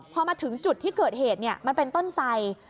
พอมาถึงจุดที่เกิดเหตุมันเป็นต้นไส